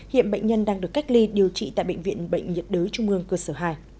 hiện bệnh nhân đang được cách ly điều trị tại bệnh viện bệnh nhiệt đới trung ương cơ sở hai